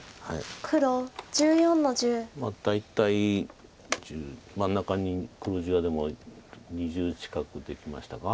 黒１４の十。大体真ん中に黒地がでも２０近くできましたか。